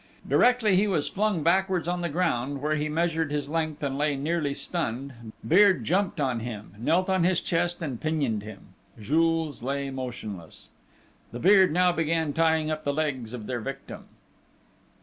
Directly he was flung backwards on the ground, where he measured his length and lay nearly stunned, Beard jumped on him, knelt on his chest, and pinioned him. Jules lay motionless. The Beard now began tying up the legs of their victim.